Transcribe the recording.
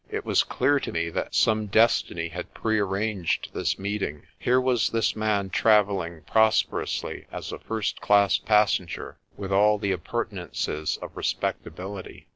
It was clear to me that some destiny had prearranged this meeting. Here was this man travelling prosperously as a first class passenger with all the appurtenances of respectability.